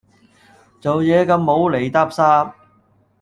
做嘢咁無厘搭霎